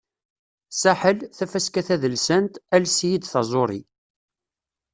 Saḥel, Tafaska tadelsant "Ales-iyi-d taẓuri".